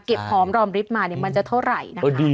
หอมรอมริบมามันจะเท่าไหร่นะคะ